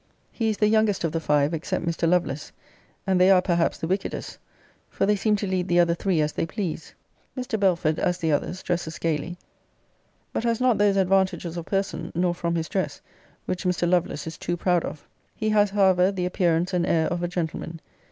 He is the youngest of the five, except Mr. Lovelace, and they are perhaps the wickedest; for they seem to lead the other three as they please. Mr. Belford, as the others, dresses gaily; but has not those advantages of person, nor from his dress, which Mr. Lovelace is too proud of. He has, however, the appearance and air of a gentleman.